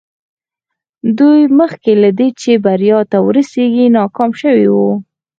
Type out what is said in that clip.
دوی مخکې له دې چې بريا ته ورسېږي ناکام شوي وو.